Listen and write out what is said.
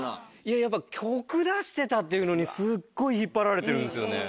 やっぱ曲出してたっていうのにすっごい引っ張られてるんですよね。